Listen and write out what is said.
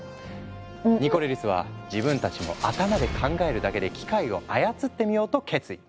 ニコレリスは自分たちも頭で考えるだけで機械を操ってみようと決意。